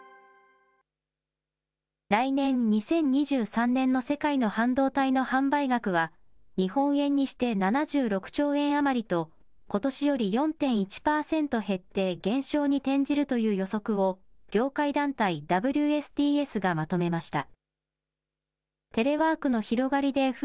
来年・２０２３年の世界の半導体の販売額は、日本円にして７６兆円余りと、ことしより４．１％減って減少に転じるという予測を、業界団体ＷＳＴＳがまとめました。